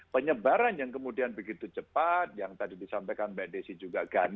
penyebaran yang kemudian begitu cepat yang tadi disampaikan mbak desi juga kan